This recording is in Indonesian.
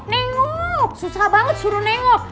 nengok susah banget suruh nengok